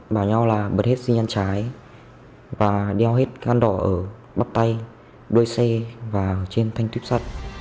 bảo nhau là bật hết sinh nhân trái và đeo hết căn đỏ ở bắp tay đôi xe và trên thanh tuyếp sắt